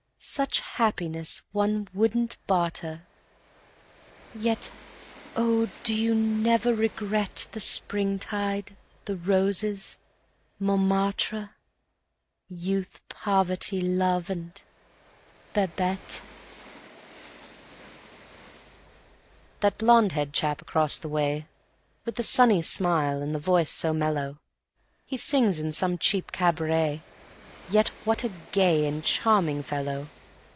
Such happiness one wouldn't barter; Yet, oh, do you never regret The Springtide, the roses, Montmartre, Youth, poverty, love and Babette? _That blond haired chap across the way With sunny smile and voice so mellow, He sings in some cheap cabaret, Yet what a gay and charming fellow!